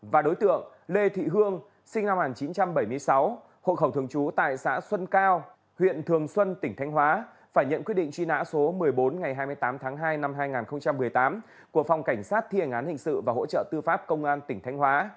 và đối tượng lê thị hương sinh năm một nghìn chín trăm bảy mươi sáu hộ khẩu thường trú tại xã xuân cao huyện thường xuân tỉnh thanh hóa phải nhận quyết định truy nã số một mươi bốn ngày hai mươi tám tháng hai năm hai nghìn một mươi tám của phòng cảnh sát thi hành án hình sự và hỗ trợ tư pháp công an tỉnh thanh hóa